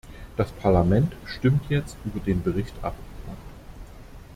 Das Parlament stimmt jetzt über den Bericht ab.